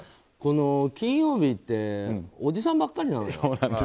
この金曜日っておじさんばっかりなのよ。